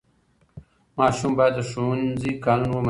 ماشومان باید د ښوونځي قانون ومني.